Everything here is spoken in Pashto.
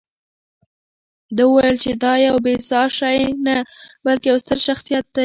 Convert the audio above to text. ده وویل چې دا یو بې ساه شی نه، بلکې یو ستر شخصیت دی.